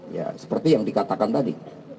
ya seperti yang dikatakan tadi